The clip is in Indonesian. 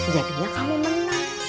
jadinya kamu menang